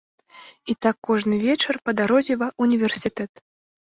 І так кожны вечар па дарозе ва ўніверсітэт.